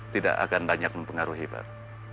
tidak akan banyak mempengaruhi hibar